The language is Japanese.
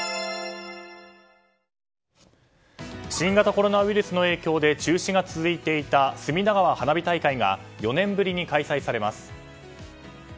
新型コロナウイルスの影響で中止が続いていた隅田川花火大会が４年ぶりに開催されます。